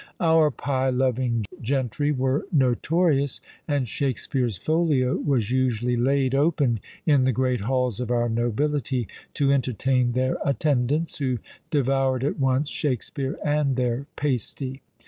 Our pie loving gentry were notorious, and Shakspeare's folio was usually laid open in the great halls of our nobility to entertain their attendants, who devoured at once Shakspeare and their pasty.